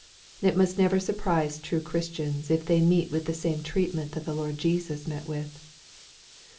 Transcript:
It must never surprise true Christians if they meet with the same treatment that the Lord Jesus met with.